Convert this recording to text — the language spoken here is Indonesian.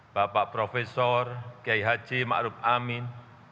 bapak profesor gai haji ma'ruf amin